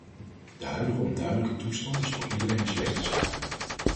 De huidige onduidelijke toestand is voor iedereen een slechte zaak.